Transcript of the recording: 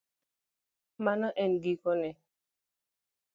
Mano e giko ne